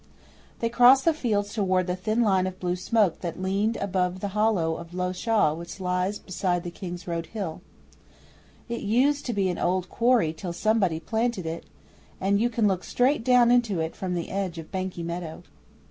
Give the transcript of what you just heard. They crossed the fields towards the thin line of blue smoke that leaned above the hollow of Low Shaw which lies beside the King's Hill road. It used to be an old quarry till somebody planted it, and you can look straight down into it from the edge of Banky Meadow.